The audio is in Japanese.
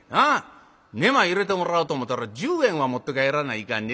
寝間入れてもらおうと思たら十円は持って帰らないかん。